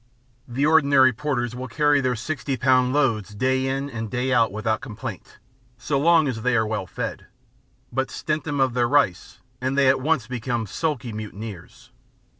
The ordinary porters will carry their 60 lb. loads day in and day out without complaint, so long as they are, well fed; but stint them of their rice, and they at once become sulky mutineers.